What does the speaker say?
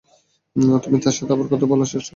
তুমি তার সাথে আবার কথা বলার চেষ্টা করতে পারবে?